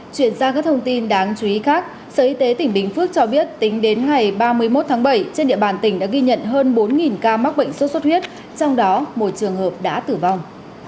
chuyển sang các thông tin đáng chú ý khác sở y tế tỉnh bình phước cho biết tính đến ngày ba mươi một tháng bảy trên địa bàn tỉnh đã ghi nhận hơn bốn ca mắc bệnh sốt xuất huyết trong đó một trường hợp đã tử vong